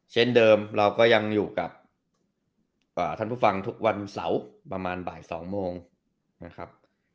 เช่นเดิมเราก็ยังอยู่กับท่านผู้ฟังทุกวันเสาร์ประมาณบ่าย๒โมงนะครับ